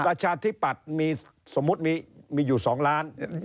ประชาธิปัตย์มีสมมุติมีอยู่๒ล้าน